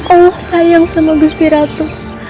allah sayang sama gusti ratu